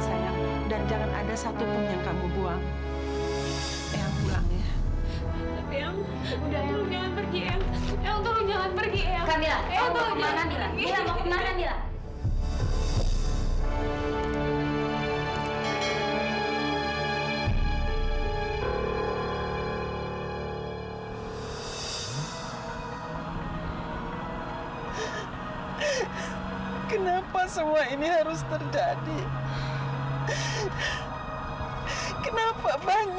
sampai jumpa di video selanjutnya